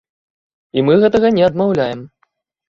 І мы гэтага не адмаўляем.